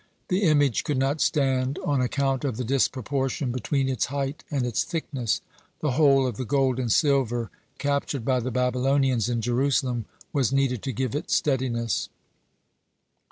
The image could not stand on account of the disproportion between its height and its thickness. The whole of the gold and silver captured by the Babylonians in Jerusalem was needed to give it steadiness.